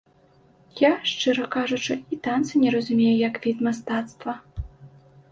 Я, шчыра кажучы, і танцы не разумею, як від мастацтва.